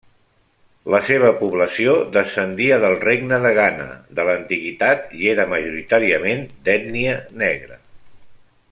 La seva població descendia del Regne de Ghana de l'antiguitat i era majoritàriament d'ètnia negra.